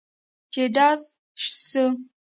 چې ډز سو.